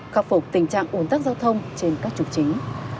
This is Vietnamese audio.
khắc phục tình trạng ồn tắc giao thông trên các trục chính